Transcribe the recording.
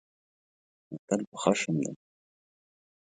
اتل په خښم دی.